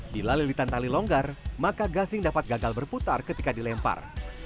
bila lilitan tali longgar maka gasing dapat gagal berputar ketika dilempar